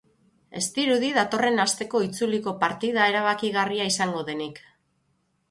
Ez dirudi datorren asteko itzuliko partida erabakigarria izango denik.